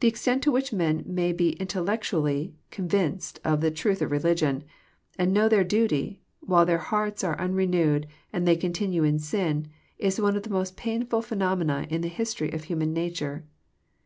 The extent to \\ hich men may be intellectnally convinced of the truth of religion, and know their duty, while their hearts are unrenewed, and they continue in sin, is one of the most pain ta\ phenomena iu the history of human nature.